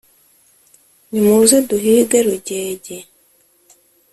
« Nimuze duhige Rugege